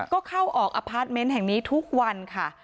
ก็เข้าออกอพาร์ทเมนต์แห่งนี้ทุกวันค่ะ